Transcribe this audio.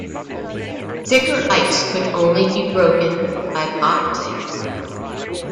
Thicker ice could only be broken by boxing.